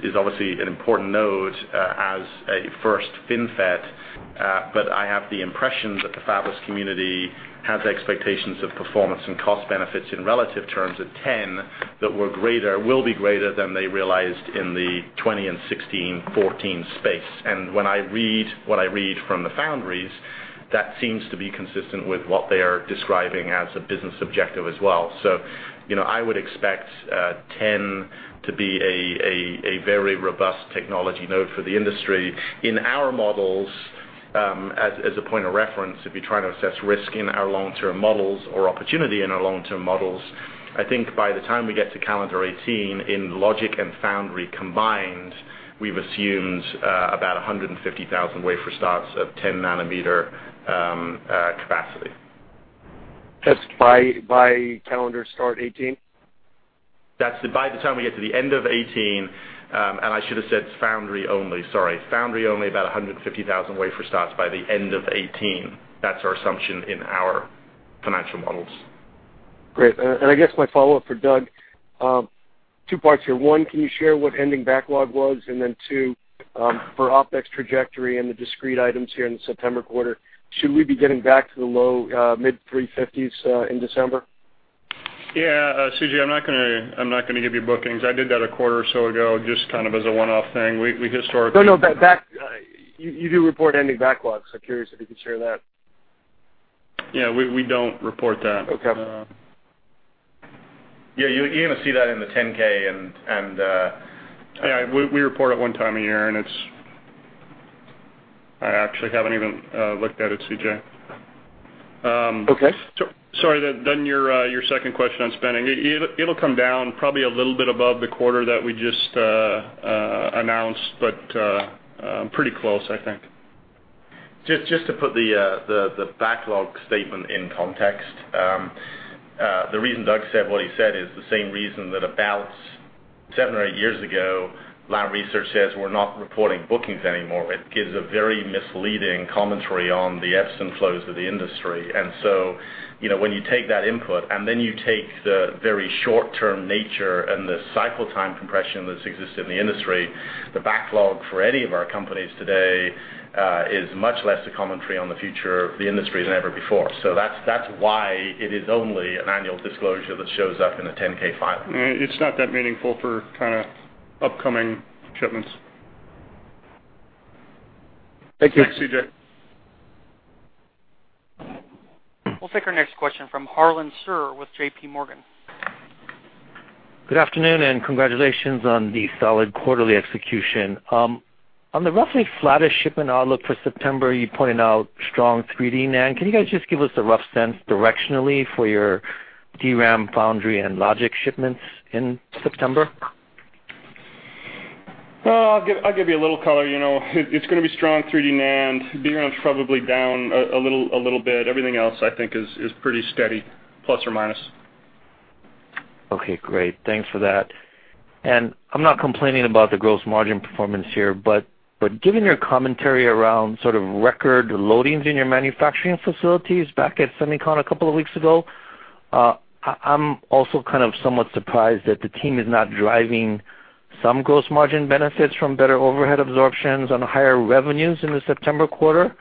is obviously an important node as a first FinFET. I have the impression that the fabless community has expectations of performance and cost benefits in relative terms of 10 that will be greater than they realized in the 20 and 16, 14 space. When I read what I read from the foundries, that seems to be consistent with what they are describing as a business objective as well. I would expect 10 to be a very robust technology node for the industry. In our models, as a point of reference, if you're trying to assess risk in our long-term models or opportunity in our long-term models, I think by the time we get to calendar 2018, in logic and foundry combined, we've assumed about 150,000 wafer starts of 10-nanometer capacity. That's by calendar start 2018? That's by the time we get to the end of 2018, and I should have said foundry only, sorry. Foundry only, about 150,000 wafer starts by the end of 2018. That's our assumption in our financial models. Great. I guess my follow-up for Doug, two parts here. One, can you share what ending backlog was? Two, for OpEx trajectory and the discrete items here in the September quarter, should we be getting back to the low mid-350s in December? Yeah. C.J., I'm not going to give you bookings. I did that a quarter or so ago, just kind of as a one-off thing. No, no. You do report ending backlogs, so curious if you could share that. Yeah, we don't report that. Okay. Yeah, you're going to see that in the 10-K. Yeah, we report it one time a year, and I actually haven't even looked at it, C.J. Okay. Sorry, your second question on spending. It'll come down probably a little bit above the quarter that we just announced, but pretty close, I think. Just to put the backlog statement in context. The reason Doug said what he said is the same reason that about seven or eight years ago, Lam Research says we're not reporting bookings anymore. It gives a very misleading commentary on the ebbs and flows of the industry. When you take that input and then you take the very short-term nature and the cycle time compression that's existed in the industry, the backlog for any of our companies today, is much less a commentary on the future of the industry than ever before. That's why it is only an annual disclosure that shows up in a 10-K file. It's not that meaningful for kind of upcoming shipments. Thank you. Thanks, C.J. We'll take our next question from Harlan Sur with JP Morgan. Good afternoon, and congratulations on the solid quarterly execution. On the roughly flattest shipment outlook for September, you pointed out strong 3D NAND. Can you guys just give us a rough sense directionally for your DRAM foundry and logic shipments in September? I'll give you a little color. It's going to be strong 3D NAND. DRAM's probably down a little bit. Everything else I think is pretty steady, plus or minus. Okay, great. Thanks for that. I'm not complaining about the gross margin performance here, but given your commentary around sort of record loadings in your manufacturing facilities back at SEMICON a couple of weeks ago, I'm also kind of somewhat surprised that the team is not driving some gross margin benefits from better overhead absorptions on higher revenues in the September quarter.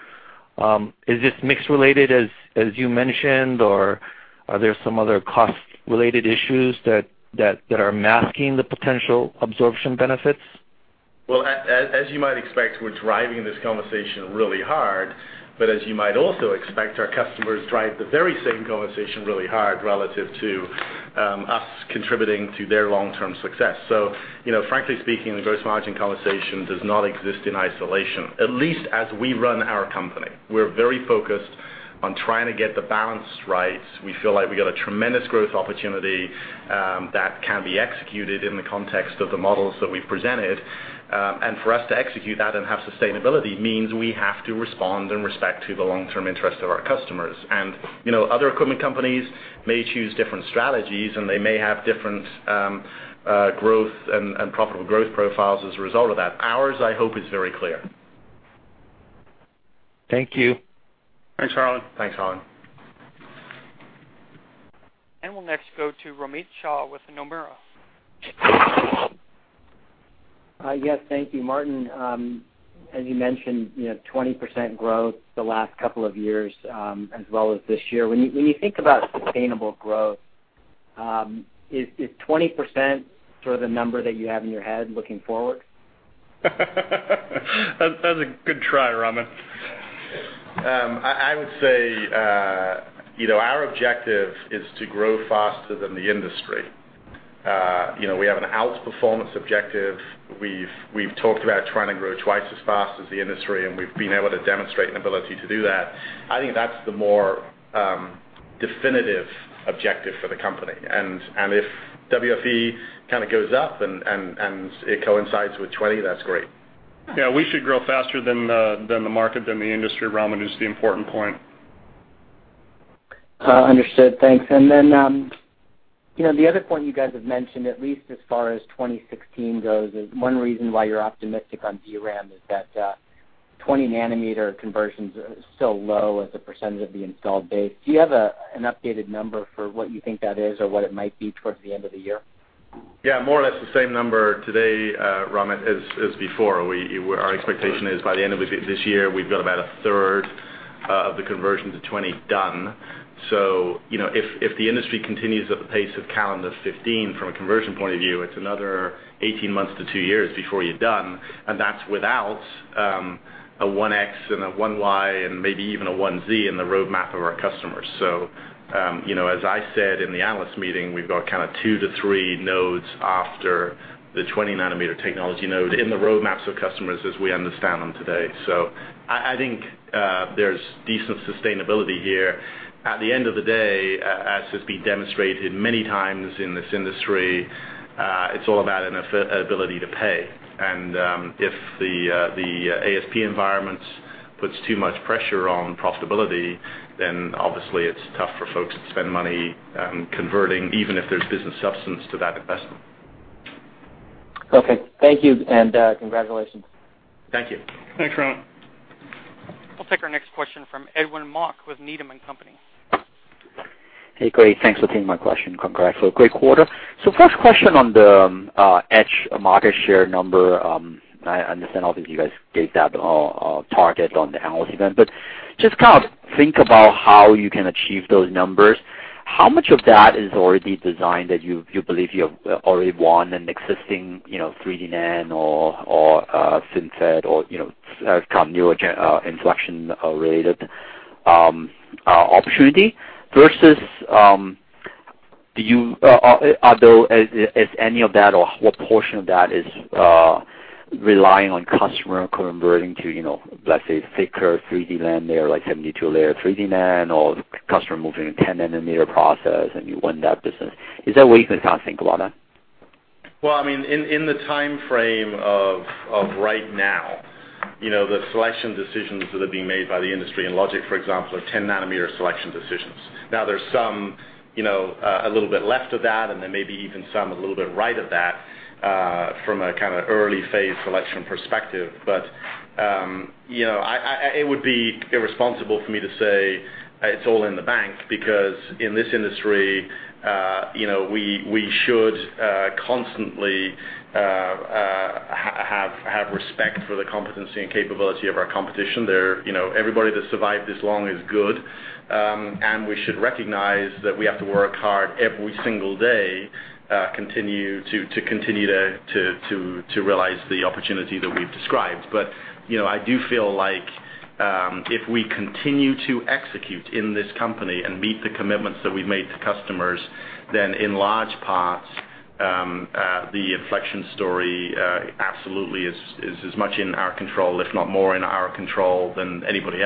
Is this mix-related, as you mentioned, or are there some other cost-related issues that are masking the potential absorption benefits? As you might expect, we're driving this conversation really hard, as you might also expect, our customers drive the very same conversation really hard relative to us contributing to their long-term success. Frankly speaking, the gross margin conversation does not exist in isolation, at least as we run our company. We're very focused on trying to get the balance right. We feel like we've got a tremendous growth opportunity that can be executed in the context of the models that we've presented. For us to execute that and have sustainability means we have to respond and respect to the long-term interest of our customers. Other equipment companies may choose different strategies, and they may have different growth and profitable growth profiles as a result of that. Ours, I hope, is very clear. Thank you. Thanks, Harlan. Thanks, Harlan. We'll next go to Romit Shah with Nomura. Yes. Thank you, Martin. As you mentioned, 20% growth the last couple of years, as well as this year. When you think about sustainable growth, is 20% sort of the number that you have in your head looking forward? That's a good try, Romit. I would say, our objective is to grow faster than the industry. We have an outperformance objective. We've talked about trying to grow twice as fast as the industry, and we've been able to demonstrate an ability to do that. I think that's the more definitive objective for the company, and if WFE kind of goes up and it coincides with 20, that's great. Yeah, we should grow faster than the market, than the industry, Romit, is the important point. Understood. Thanks. The other point you guys have mentioned, at least as far as 2016 goes, is one reason why you're optimistic on DRAM is that 20-nanometer conversion's still low as a percentage of the installed base. Do you have an updated number for what you think that is, or what it might be towards the end of the year? Yeah, more or less the same number today, Romit, as before. Our expectation is by the end of this year, we've got about a third of the conversion to 20 done. If the industry continues at the pace of calendar 2015 from a conversion point of view, it's another 18 months to two years before you're done, and that's without a 1X and a 1Y, and maybe even a 1Z in the roadmap of our customers. As I said in the analyst meeting, we've got kind of two to three nodes after the 20-nanometer technology node in the roadmaps of customers as we understand them today. I think there's decent sustainability here. At the end of the day, as has been demonstrated many times in this industry, it's all about an ability to pay, and if the ASP environment puts too much pressure on profitability, then obviously it's tough for folks to spend money converting, even if there's business substance to that investment. Okay, thank you, and congratulations. Thank you. Thanks, Romit. We'll take our next question from Edwin Mok with Needham & Company. Hey, great, thanks for taking my question. Congrats for a great quarter. First question on the etch market share number. I understand, obviously, you guys gave that target on the analyst event, but just kind of think about how you can achieve those numbers. How much of that is already designed that you believe you have already won in existing 3D NAND or FinFET or come new inflection-related opportunity, versus is any of that or what portion of that is relying on customer converting to, let's say, thicker 3D NAND there, like 72-layer 3D NAND, or customer moving to 10 nanometer process and you win that business. Is there a way you can kind of think about that? Well, in the timeframe of right now, the selection decisions that are being made by the industry in logic, for example, are 10 nanometer selection decisions. There's some a little bit left of that, and then maybe even some a little bit right of that, from a kind of early-phase selection perspective. It would be irresponsible for me to say it's all in the bank because, in this industry, we should constantly have respect for the competency and capability of our competition. Everybody that's survived this long is good, and we should recognize that we have to work hard every single day to continue to realize the opportunity that we've described. I do feel like if we continue to execute in this company and meet the commitments that we've made to customers, then in large parts, the inflection story absolutely is as much in our control, if not more in our control than anybody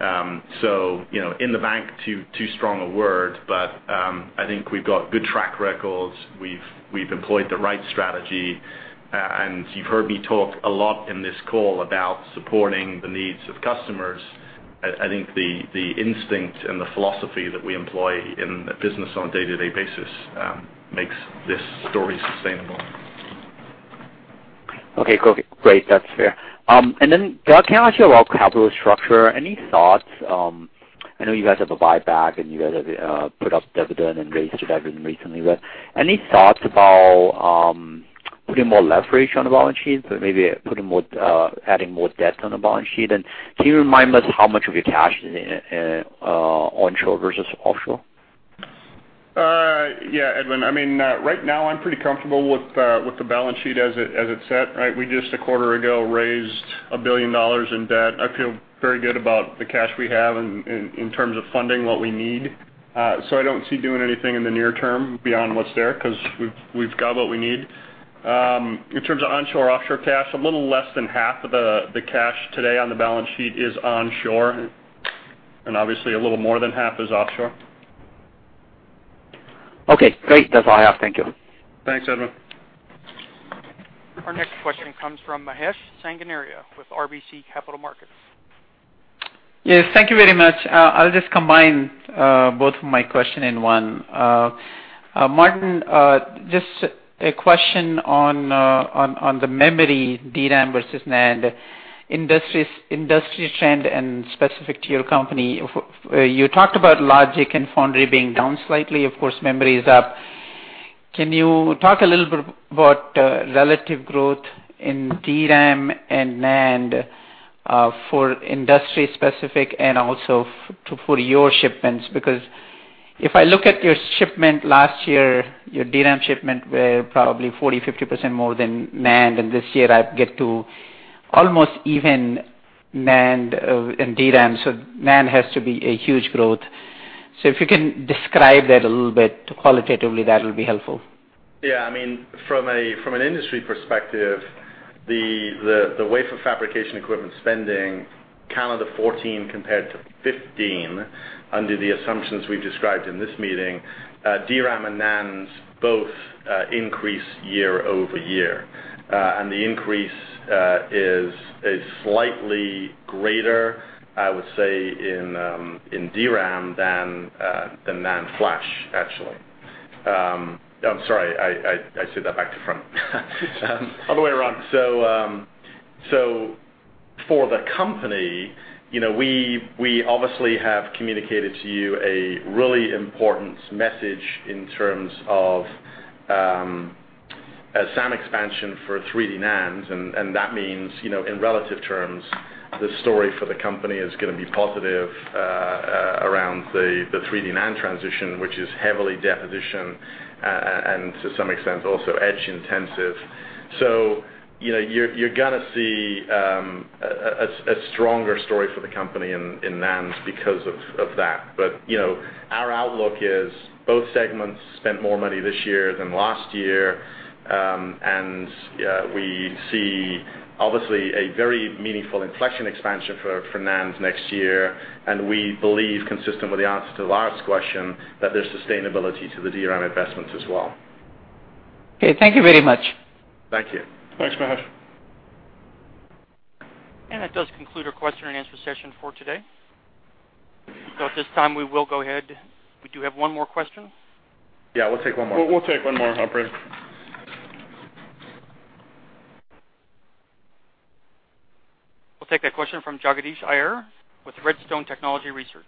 else. In the bank, too strong a word, but I think we've got good track records. We've employed the right strategy, and you've heard me talk a lot in this call about supporting the needs of customers. I think the instinct and the philosophy that we employ in the business on a day-to-day basis makes this story sustainable. Okay, great. That's fair. Can I ask you about capital structure? Any thoughts? I know you guys have a buyback, and you guys have put up dividend and raised dividend recently, any thoughts about putting more leverage on the balance sheet? Maybe adding more debt on the balance sheet and can you remind us how much of your cash is onshore versus offshore? Yeah, Edwin. Right now, I'm pretty comfortable with the balance sheet as it's set. We just a quarter ago raised $1 billion in debt. I feel very good about the cash we have in terms of funding what we need. I don't see doing anything in the near term beyond what's there because we've got what we need. In terms of onshore, offshore cash, a little less than half of the cash today on the balance sheet is onshore, and obviously, a little more than half is offshore. Okay, great. That's all I have. Thank you. Thanks, Edwin. Our next question comes from Mahesh Sanganeria with RBC Capital Markets. Yes, thank you very much. I'll just combine both of my questions in one. Martin, just a question on the memory DRAM versus NAND. Industry trend and specific to your company, you talked about logic and foundry being down slightly. Of course, memory is up. Can you talk a little bit about relative growth in DRAM and NAND for industry specific and also for your shipments? Because if I look at your shipments last year, your DRAM shipments were probably 40%-50% more than NAND, and this year I get to almost even NAND and DRAM. NAND has to be a huge growth. If you can describe that a little bit qualitatively, that will be helpful. Yeah. From an industry perspective, the wafer fabrication equipment spending calendar 2014 compared to 2015, under the assumptions we've described in this meeting, DRAM and NAND both increase year-over-year. The increase is slightly greater, I would say, in DRAM than NAND flash, actually. I'm sorry, I said that back to front. Other way around. For the company, we obviously have communicated to you a really important message in terms of SAM expansion for 3D NAND, and that means, in relative terms, the story for the company is going to be positive around the 3D NAND transition, which is heavily deposition, and to some extent, also etch-intensive. You're going to see a stronger story for the company in NAND because of that. Our outlook is both segments spent more money this year than last year, and we see obviously a very meaningful inflection expansion for NAND next year, and we believe, consistent with the answer to Romit Shah question, that there's sustainability to the DRAM investments as well. Okay. Thank you very much. Thank you. Thanks, Mahesh. That does conclude our question and answer session for today. At this time, we will go ahead. We do have one more question. Yeah, we'll take one more. We'll take one more, operator. We'll take that question from Jagadish Iyer with Redstone Technology Research.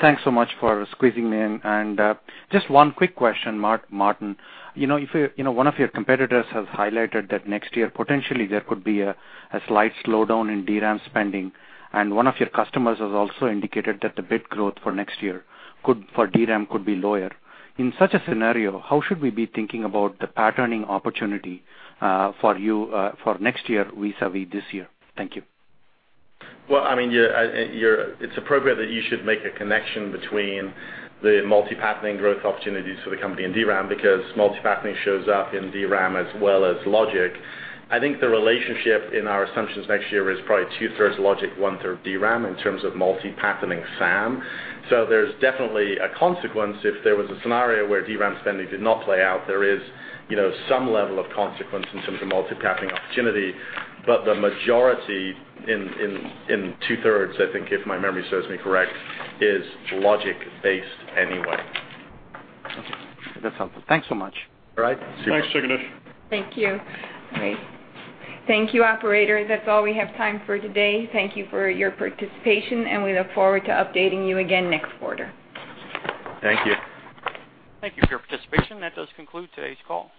Thanks so much for squeezing me in. Just one quick question, Martin. One of your competitors has highlighted that next year, potentially there could be a slight slowdown in DRAM spending, and one of your customers has also indicated that the bit growth for next year for DRAM could be lower. In such a scenario, how should we be thinking about the multi-patterning opportunity for next year vis-a-vis this year? Thank you. Well, it's appropriate that you should make a connection between the multi-patterning growth opportunities for the company in DRAM, because multi-patterning shows up in DRAM as well as logic. I think the relationship in our assumptions next year is probably two-thirds logic, one-third DRAM in terms of multi-patterning SAM. There's definitely a consequence if there was a scenario where DRAM spending did not play out. There is some level of consequence in terms of multi-patterning opportunity, but the majority in two-thirds, I think, if my memory serves me correct, is logic based anyway. Okay. That's helpful. Thanks so much. All right. Thanks, Jagadish. Thank you. Great. Thank you, operator. That's all we have time for today. Thank you for your participation, and we look forward to updating you again next quarter. Thank you. Thank you for your participation. That does conclude today's call.